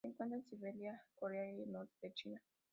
Se encuentra en Siberia, Corea y el norte de China.